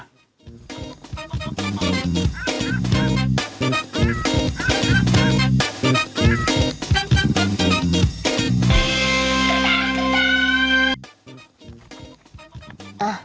ก็แดงล่า